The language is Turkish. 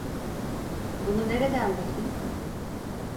Bunu nereden bildin?